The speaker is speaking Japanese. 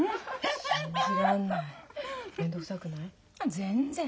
全然。